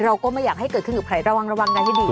เราก็ไม่อยากให้เกิดขึ้นกับใครระวังระวังกันให้ดี